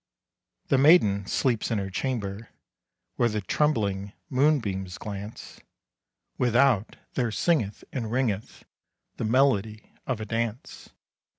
The maiden sleeps in her chamber, Where the trembling moonbeams glance, Without there singeth and ringeth The melody of a dance.